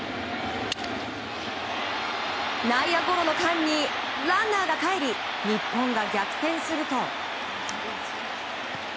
内野ゴロの間にランナーがかえり日本が逆転すると。